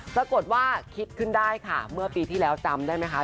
ปรากฏว่าคิดขึ้นได้ค่ะเมื่อปีที่แล้วจำได้ไหมคะ